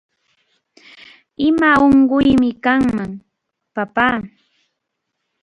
Ima unquymi kanman, papá